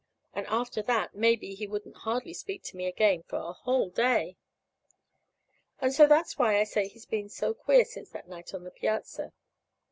And after that, maybe, he wouldn't hardly speak to me again for a whole day. And so that's why I say he's been so queer since that night on the piazza.